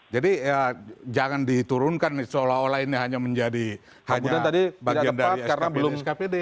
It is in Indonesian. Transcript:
jadi ya jangan diturunkan seolah olah ini hanya menjadi bagian dari skpd skpd